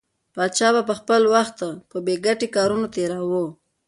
پاچا به خپل وخت په بې ګټې کارونو تېراوه.